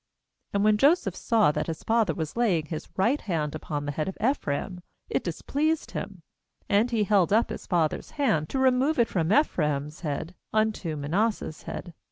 17And when Joseph saw that his father was laying his right hand upon the head of Ephraim, it displeased him, and he held up his father's hand, to remove it from Ephraim's head unto Manasseh's head.